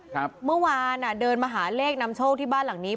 เมื่อวานอ่ะเดินมาหาเลขนำโชคที่บ้านหลังนี้